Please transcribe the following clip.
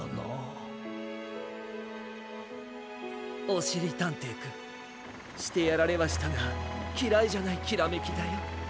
おしりたんていくんしてやられはしたがきらいじゃないきらめきだよ。